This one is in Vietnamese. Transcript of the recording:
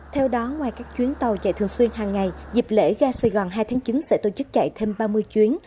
theo đó ngoài các chuyến tàu chạy thường xuyên hàng ngày dịp lễ ga sài gòn hai tháng chín sẽ tổ chức chạy thêm ba mươi chuyến